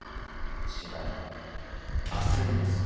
違いは焦りですよ。